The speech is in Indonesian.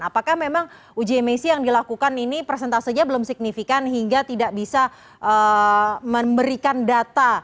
apakah memang uji emisi yang dilakukan ini persentasenya belum signifikan hingga tidak bisa memberikan data